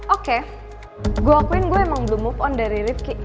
oke gue akuin gue emang belum move on dari ripki